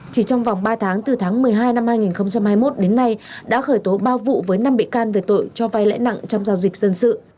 chỉ trong vòng ba tháng từ tháng một mươi hai năm hai nghìn hai mươi một đến nay đã khởi tố ba vụ với năm bị can về tội cho vai lãi nặng trong giao dịch dân sự